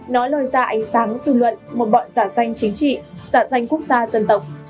nó lôi ra ánh sáng dư luận một bọn giả danh chính trị giả danh quốc gia dân tộc